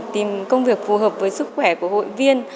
tìm công việc phù hợp với sức khỏe của hội viên